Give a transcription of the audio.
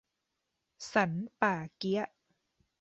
สันป่าเกี๊ยะ